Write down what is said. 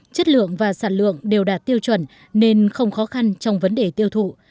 chất lượng và sản lượng đều đạt tiêu chuẩn nên không khó khăn trong vấn đề tiêu thụ